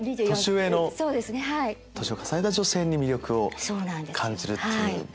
年を重ねた女性に魅力を感じるっていう。